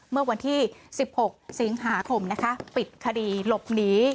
เมื่อวันที่๑๖สิงหาคมนะคะปิดคดีหลบหนี